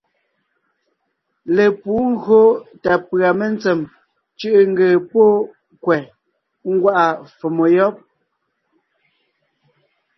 Lepǔ ńgÿo tà pʉ̀a mentsèm cʉ̀ʼʉ ńgee pɔ́ kwɛ̀ ńgwá’a fòmo yɔ́b.